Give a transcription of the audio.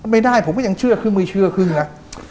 ไม่ได้ผมก็ยังเชื่อครึ่งไม่เชื่อครึ่งนะ